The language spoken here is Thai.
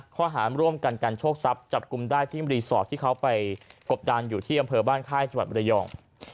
ข้อหารร่วมกันกันโชคทรัพย์จับกลุ่มได้ที่รีสอร์ทที่เขาไปกบดานอยู่ที่อำเภอบ้านค่ายจังหวัดบรยอง